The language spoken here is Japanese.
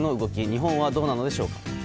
日本はどうなのでしょうか。